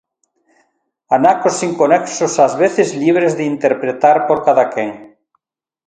Anacos inconexos ás veces, libres de interpretar por cada quen.